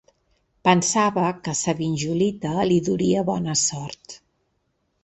Pensava que sa vinjolita li duria bona sort